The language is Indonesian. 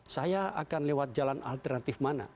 saya akan lewat jalan alternatif mana